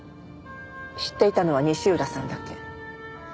知っていたのは西浦さんだけ。